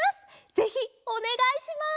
ぜひおねがいします！